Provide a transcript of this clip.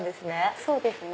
そうですね。